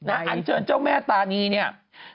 อันเชิญเจ้าแม่ตานีเนี่ย